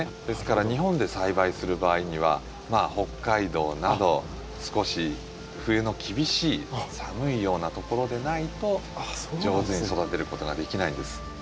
ですから日本で栽培する場合には北海道など少し冬の厳しい寒いようなところでないと上手に育てることができないんです。